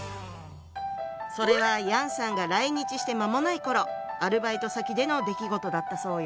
それは楊さんが来日して間もない頃アルバイト先での出来事だったそうよ。